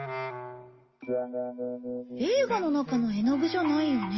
映画の中の絵の具じゃないよね？